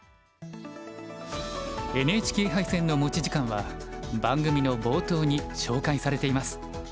ＮＨＫ杯戦の持ち時間は番組の冒頭に紹介されています。